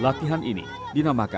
latihan ini diberikan oleh para siswa